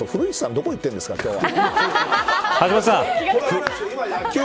どこいってるんですか今日は。